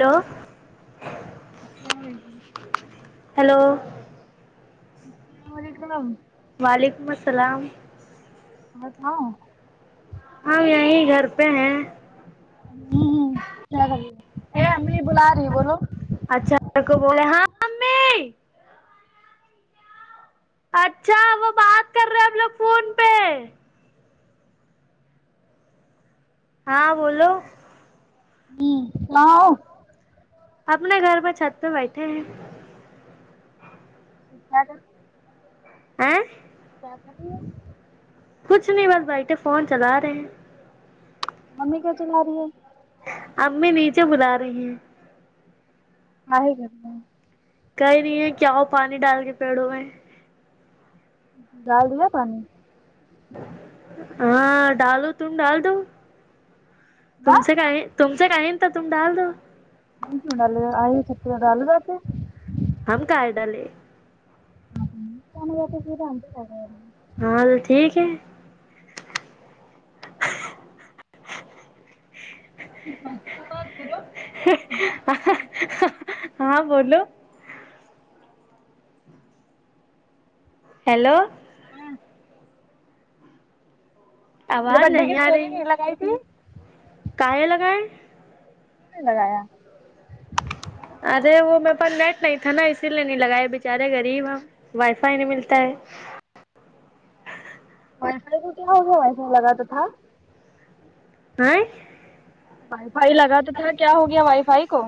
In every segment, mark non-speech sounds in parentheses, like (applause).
Hello السلام علیکم hello السلام علیکم وعلیکم السلام اور ہاں ہم یہں گھر پہ ہیں ہ ہ کیا کر رہی ہو اے امی بلا رہی بولو اچھا کو بولے ہاں امی اچھا وہ بات کر رہے ہم لوگ فون پہ ہاں بولو ہمم آو اپنے گھر پہ چھت پہ بیٹھے ہیں (unintelligible) آے کیا کر رہی ہو کچھ نہیں بس بیٹھے فون چلا رہے ہیں ممی کو چلا رہی ہے امی نیچے بلا رہی ہیں ہائے کرنے کہی بھی ہے کہ او پانی ڈال کے پیڑوں میں ڈال دیا پانی ہاں ڈالو تو ڈال دو تم ہاں سے کاائے تم سے کہیں ہے تو تم ڈال دو ہم کیوں ڈالو ایہ سب سے ڈالوا تے ہم کاہے ڈالے (unintelligible) ہاں یہ ٹھیک ہے بات کرو میرے ہ ہ اہ ہاں بولو ہیلو آواز برتھ ڈے کی نہیں آ اسٹوری رہی نہیں لگائی تھی کس کاہے لگایں لگایا ارے وہ میرے پاس نیٹ نہیں تھا نا اسی لیے نہیں لگایا بیچارے غریب ہے وائی فائی نہیں ملتا ہے وائی فائی کو کیا ہوگیا ہے لگاتو تھا آءے وائی فائی لگا تو تھا کیا ہو گیا وائی فائی کو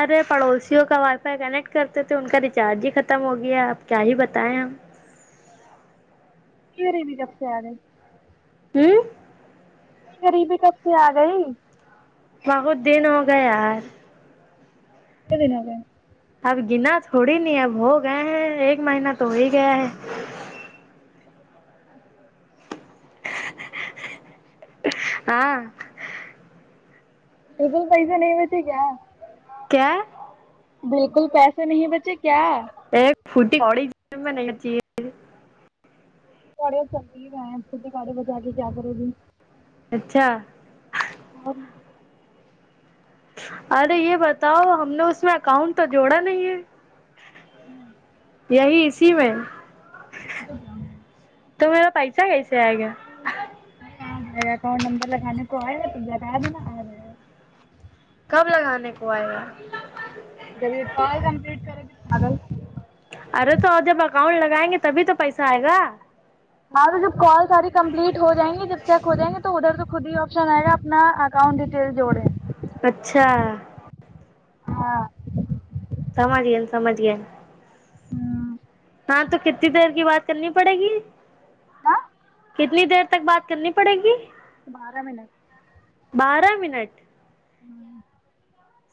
ارے پڑوسیوں کا وائی فائی کنیکٹ کرتے تھے ان کا ریچارج ہی ختم ہو گیا ہے آب کیا ہی بتائیں ہم کیوں نے جب سے آ رہئے ہوں غریبی کب سے آ گئی بہغوت دن ہو گئے ہے کبھی نہیں گئے اب گنا تھوڑی نہیں اب ہو گئے ہیں ایک مہینہ تو ہو ہی گیا ہے ہاں ڈبل پیسہ نہیں ہوے تھے کیا کیا بالکل پیسے نہیں بچے کیا ایک فٹی کاڑی میں نہیں لکتی ہے چالو چلدی جایں پھوٹی کاڑی بجا کے کرو گی اچھا ہاں اڑے یہ بتاؤ ہم نے اس میں اکاؤنٹ تو جوڑا نہیں ہے کس مے یہی اسی میں اچھا تو میرا پیسا کیسے ائے گا ارے آ جائے گا اکاؤنٹ نمبر لگانے کو آئے گا تم بتا دینا آجاے گا کب لگانے کو آئے گا جب یہ کال کمپٹ کرے گی پاگل ارے تو جب اکاؤنٹ لگائیں گے تبھی تو پیسہ آئے گا ہاں تو جب کال ساری کمپلیٹ ہو جائیں گی جب چیک ہو جیں گے تو ادھر تو خود ہی آپشن آئے گا اپنا ا اکاؤنٹ ڈٹیل جوڑے اچھا ہاں سمجھھیین سمجیاین ہاں ہاں تو کتنی دیر کی بات کرنی پڑے گی ہا کتنی دیر تک بات کرنی پڑے گی بارہ منٹ بارہ منٹ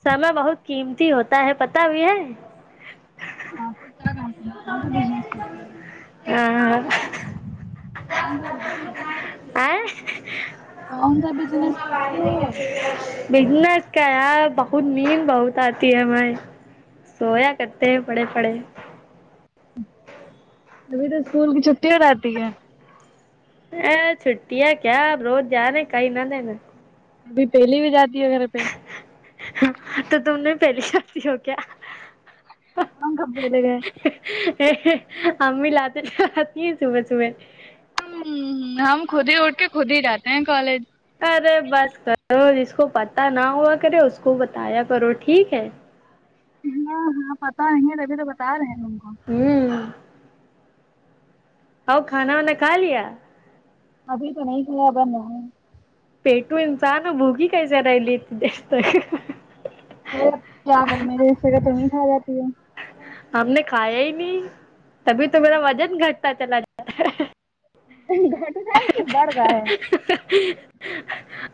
سمے بہت قیمتی ہوتا ہے پتا بھی ہے آپ کو کیا کام ہے کون سا بزنس کرتی ہو ہاں کون سا بزنس کرتی آے ہو کون سا بزنس کرتی ہو بزنس کیا یار بہت نیند بہت آتی ہے ہمیں سویا کرتے ہیں پڑے پڑے جبھی تو اسکول کی چھٹی ہو جاتی ہے ا چھٹی ہے کیا اب روز جا رہے کیں نہ دین ابھی پہلی بھی جاتی ہے گھر پہ تو تم نے پہلی شادی ہو کیا (unintelligible) منگ کب دگ امی لاتے مارتی ہے صبح صبح ہممم ہم خود ہی اٹھ کے خود ہی جاتے ہیں کالج ارے بس کرو جس کو پتا نہ ہوا کرے اس کو بتایا کرو ٹھیک ہے ہاں ہاں پتا نہیں تبھی تو بتا رہے ہیں تم کو ہوں اور کھانا وانا کھا لیا ابھی تو نہیں کھایا بن ہے پیٹو انسان ہے بھوکی کیسا رہلتی ہے یار کیا کرے میرے حصے کا تم ہی کھا جاتی ہے ہم نے کھایا ہی نہیں تبھی تو میرا وزن گھٹتا چلا جات گھٹ رہا ہے کہ بڑھ رہا ہے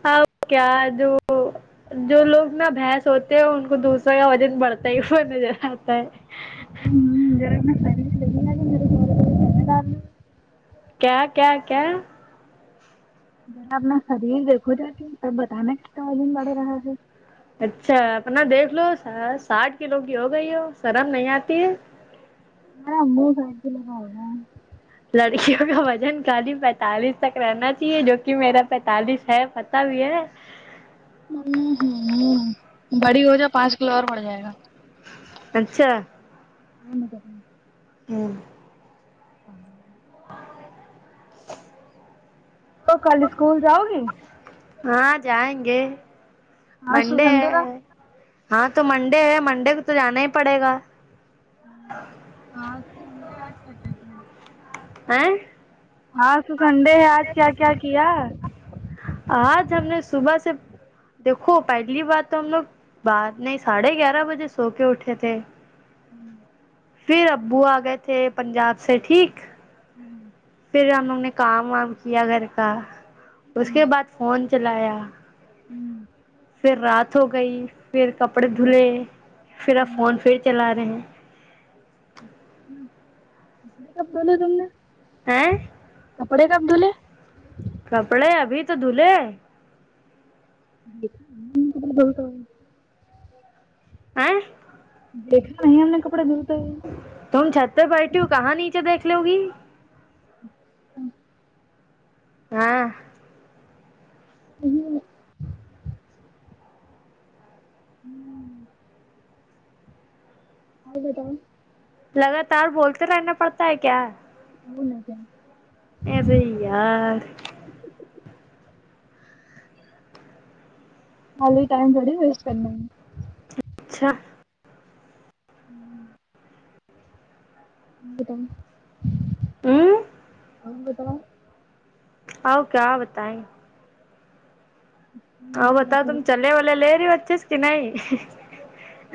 اب کیا دوں جو لوگ نا بھینس ہوتے ہیں ان کو دوسروں کا وزن بڑھتا ہی ہوا نظر آتا ہے ہمم کیا کیا کیا جرا اپنا شریر دیکھو جاکے کے تب بتانا کتنا وجن بڑھ رہا ہے اچھا اپنا دیکھ لو ساٹھ کلو کی ہو گئی ہو شرم نہیں آتی ہے تمہارا منہ ساٹھ کلو کا ہورہا ہے لڑکیوں کا وزن خالی پینتالیس تک رہنا چاہیے جو کہ میرا پینتالیس ہے پتہ بھی ہے ہمم ہمم بڑی ہو جو پاس ہو فلور پٹھ جائے گا اچھا ہوں ہاں ہ ہائے تو کل اسکول جاؤگی ہاں جائینگے آج تو منڈے سنڈے ہے تھا ہاں تو منڈے ہے منڈے کو تو جانا ہی پڑےگا آج سنڈے آج کیا کیا کیا ہاے آج تو سنڈے ہے آج کیا کیا کیا آج ہم نے صبح سے دیکھو پہلی بار تو ہم لوگ بعد نہیں ساڑھے گیارہ بجے سو کے اٹھے تھے ہوں پھر ابو آ گئے تھے پنجاب سے ٹھیک ہوں پھر ہم لوگ نے کام وام کیا گھر کا اس کے بعد فون چلایا ہوں پھر رات ہو گئی پھر کپڑے دھلے پھر آپ فون پھر چلا رہے ہیں کپڑے کب دھولے تم نے ہیں کپڑے کب دھولے کپڑے ابھی تو دلہے ہے ان انٹلیگیبل آئے دیکھنا نہیں ہم نے کپڑے دھوتے ہوئے تم چھت پے بیٹھی ہو کہاں نیچے دیکھ لو گی ہوں ہاں ہ ہممم اور بتاؤ لگاتار بولتے رہنا پڑتا ہے کیا وہ نا جائیں ایسے ہی یار خالی ٹائم تھوڑی ویسٹ کرنا ہے اچھا ہمم اور بتاؤ ہمم اور بتاؤ آؤ کیا بتائیں ہ کیا بتاؤ چل تم چلے والے لے رہی ہو اچھے کی نہیں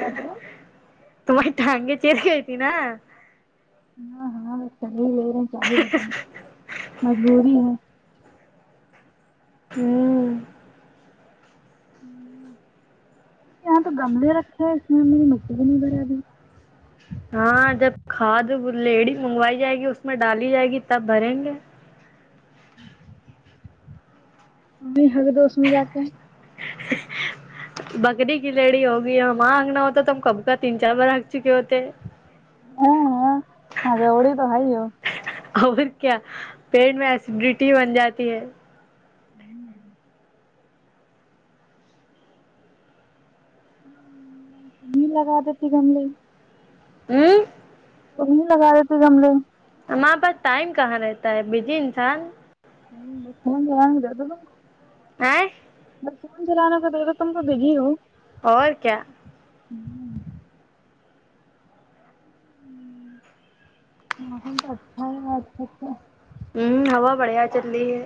کپڑا تمہاری ٹانگے چالی گئی تھی نا ہاں ہاں بس صحیح لے رہے ہیں کیااہی بتاؤ مجبوری ہے ہمم یہاں تو گملے رکھے ہے اس میں میری مٹی بھی نہیں بھرے ابھی ہاں جب کھاد ولیڑی منگوائی جائے گی اس میں ڈالی جائے گی تب بھریں گے (inaudible) ابھی ھگدو اسمے جاکے بکری کی لیڑی ہوگی ہمارا ہوتا تو ہمکب کا تین چار بار ھگ چکے ہوتے ہاں ہڑودی تو ہے ہی ہو حی حی اور کیا پیٹ میں ایسیڈیٹی بن جاتی ہے ہوں ابھی لگا دیتی گملے ہمم تم نہیں لگادیتے گملے ہمارے پاس ٹائم کہاں رہتا ہے بزی انسان (unintelligible) آئیں حکم چلانا تم تو اور کیا (inaudible) ہ موسم تو اچھا ہی ہے آج تک تو ہوں ہوا بڑھیا چلی ہے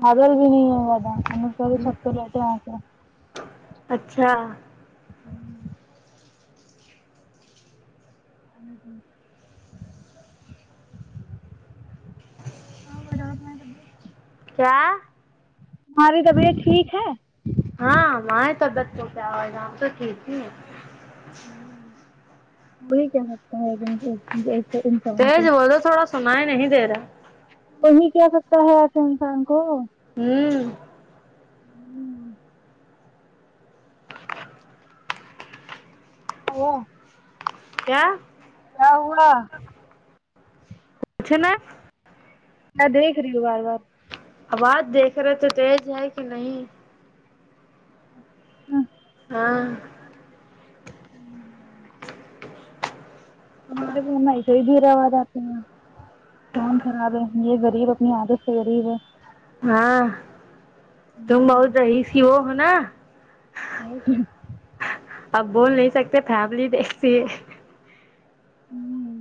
بادل بھی نہیں ہے زیادہ ہم اس واسطے چھت پے لیٹے ہے آکے اچھا ہمم ہاں وہ لاپیں تب بھی کیا تمہاری طبیعت ٹھیک ہے ہاں ہماری طبیعت کو کیا ہوئیگا ہم تو ٹھیک ہی ہے ہ وہی کیا لگتا ہے (unintelligible) جیسے انسان تیز کو بولو تھوڑا سنائی نہیں دے رہا تم ہی کہے سکتے ہو ایسے انسان کو ہمم (unintelligible) کیا کیا ہوا سنو میں دیکھ ری ہوں بار بار آواز دیکھ رہے تھے تیز ہے کہ نہیں ہاں ہاں ہمارے فون میں ایسے ہی دور آواز آتی ہیں کون خراب ہے یہ غریب اپنی عادت سے غریب ہے ہاں تم بہت یسیو ہو نہ اور کیا اب بول نہیں سکتے فیملی دیکھتی ہے ہوں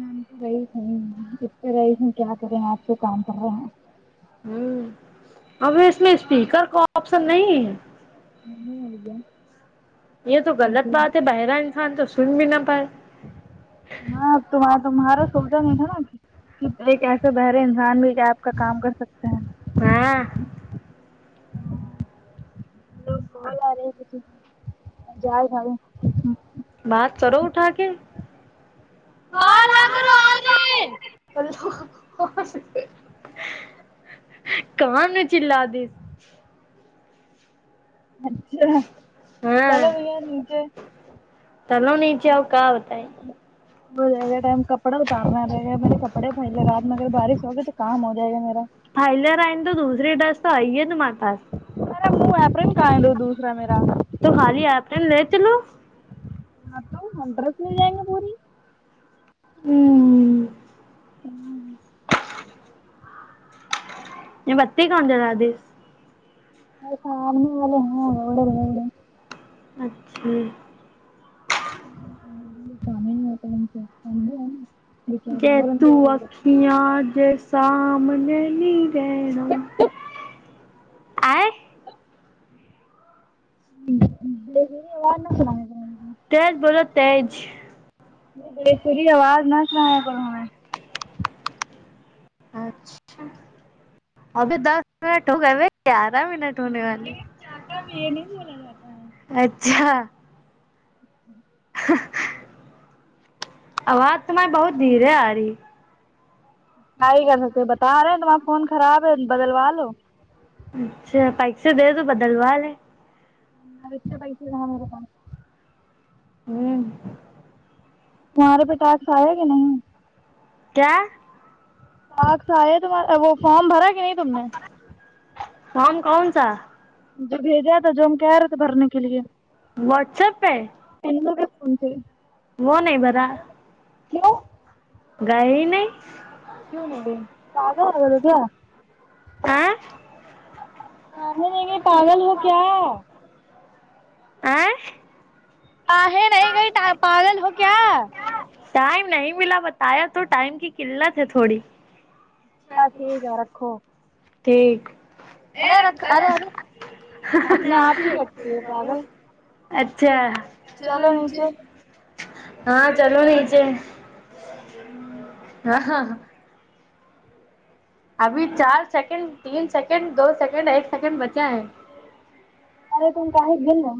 ہم تو رئیس ہے ہی اتے رئیس کیا کریں آپ جو کام کررہے ہیں ہوں اب اس میں اسپیکر کا آپشن نہیں ہے یہاں ہونے ہوگیا یے تو غلط بات ہے بہرہ انسان تو سن بھی نہ پائے ہاں تم تمہارے سنتے نہیں ہیں نا کی ایک ایسے بہرے انسان بھی کیا آپ کا کام کر سکتے ہیں ہاں جا رے سارے ناک چاڑو اٹھا کے (inaudible) کال نہ کرو آ رہے ہیں۔ کان میں چلا دی اچھا ہاں چلو بھی یار نیچے چلو نیچے کا بتا ہے (inaudible) ظہور کے ٹائم کپڑے اتار نا رہے گا میرے کپڑے پھلے رات کہیں بارش ہوگی تو کام ہوجاۂے گا میرا پائل رئن تو دوسری ڈس تو آئی ہے تمارے پاس ارے امی ایپرین کہاں ہیں دوسرا میرا تو خالی ایپرین لے چلو ہاں تو انڈرس مل جائیں گے پوری ہمم آمم یے بتی کون جلادی ہر کہانی والے ہونا والڈن والڈن اچھے ہوں ہوں شامگ اور تو ٹھنڈے ہوا میں گیٹ تو واک میا جے سامنے نی گےنا آے ہوں ہوں ڈیک میں آواز نہیں سونا اے گا ان کو تیج بولو تیج بے سری آواز نا سنایا کرو ہمیں اچھا ابھی دس منٹ ہو گئے رے گیارہ منٹ ہونے والے یہ نہیں بولا جاتا ہے اچھا ہاں آواز تمہاری بہت دھیر ے آ رہی ایے گا مجکو باتالو تما فون کھاراب ہے بدل والو اچھا پیسے دے تو بدلوا ل ہے مرد سے پیسے مانگو ہمم تمہارے پے ٹیکس آیا کے نہیں کیا اج ٹکس آئے تمہارا وہ فام بھرا کے نہیں تم نے فام کوؤن سا جو بھیجا تھا جو ہم کہہ رہے تھے بھرنے کے لیے واٹسپ پے ان کو بھی پونچھے وہ نہیں برا کیوں گائے ہی نہیں کیوں نہیں گئی بابا بولے کیا اں آپ بولے گے پاگل ہو کیا آے ہاںے نہیں گی پا پاگل ہو کیا ٹائم نہیں ملا تو ٹائم کی قلت ہے تھوڑی ہاں ٹھیک یہ رکھو ٹھیک ارے ایرک رکھ کیا کریں ارے ارے ہوں ہ ہ ہمے اپنے آپ رتے ہی ہو کٹتی ہے پاگل اچھا چلو نیچے ہاں چلو نیچے ہاں ہاں ہاں ابھی چار سیکنڈ تین سیکنڈ دو سیکنڈ ایک سیکنڈ بچا ہیں ارے توم کہاہ ہی گیل ن